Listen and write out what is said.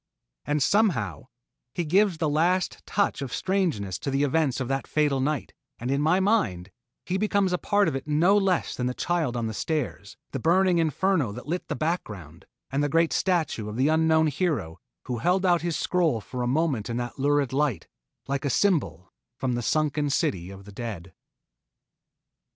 And somehow, he gives the last touch of strangeness to the events of that fatal night, and in my mind, he becomes a part of it no less than the child on the stairs, the burning inferno that lit the background, and the great statue of that unknown hero who held out his scroll for a moment in that lurid light, like a symbol from the sunken City of the Dead.